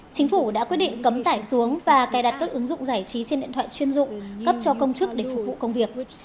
chính phủ đã quyết định cấm tải xuống và cài đặt các ứng dụng giải trí trên điện thoại chuyên dụng cấp cho công chức để phục vụ công việc